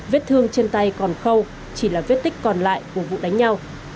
viết thương trên tay còn khâu chỉ là viết tích còn lại của vụ đánh nhau